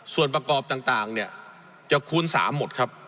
ส่วนประกอบต่างเนี่ยจะคูณ๓หมดครับ